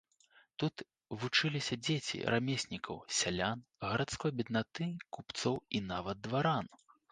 Тут вучыліся дзеці рамеснікаў, сялян, гарадской беднаты, купцоў і нават дваран.